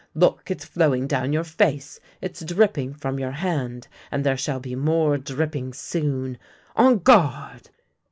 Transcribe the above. Look, it's flowing down your face; it's dripping from your hand, and there shall be more dripping soon! On guard!